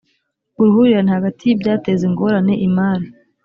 uruhurirane hagati y ibyateza ingorane imari